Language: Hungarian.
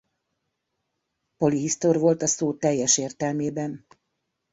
Polihisztor volt a szó teljes értelmében.